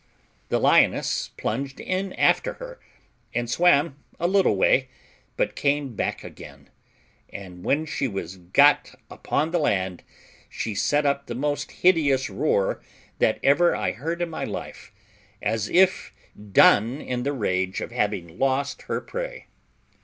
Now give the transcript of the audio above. The lioness plunged in after her, and swam a little way, but came back again; and when she was got upon the land she set up the most hideous roar that ever I heard in my life, as if done in the rage of having lost her prey.